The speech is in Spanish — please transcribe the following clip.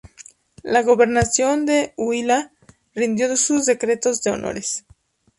La gobernación del Huila rindió sus decretos de honores.